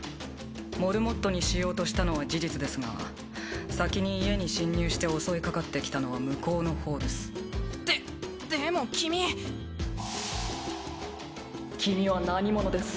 モルモットにしようとしたのは事実ですが先に家に侵入して襲いかかってきたのは向こうの方ですででも君君は何者です？